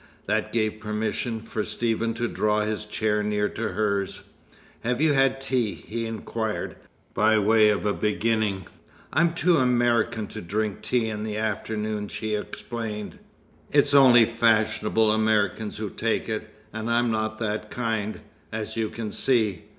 That gave permission for Stephen to draw his chair near to hers. "Have you had tea?" he inquired, by way of a beginning. "I'm too American to drink tea in the afternoon," she explained. "It's only fashionable Americans who take it, and I'm not that kind, as you can see.